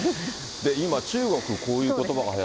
今、中国、こういうことばがはやってる。